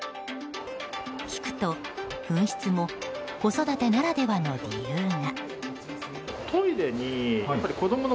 聞くと、紛失も子育てならではの理由が。